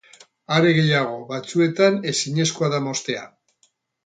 Are gehiago, batzuetan ezinezkoa da moztea.